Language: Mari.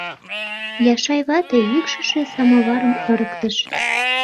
Яшай вате йӱкшышӧ самоварым ырыктыш.